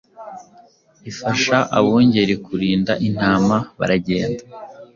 ifasha abungeri kurinda intama Baragenda